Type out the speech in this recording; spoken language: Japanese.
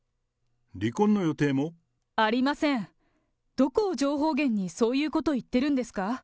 どこを情報源にそういうことを言ってるんですか？